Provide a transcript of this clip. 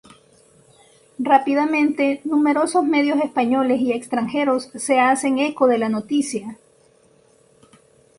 Rápidamente numerosos medios españoles y extranjeros se hacen eco de la noticia.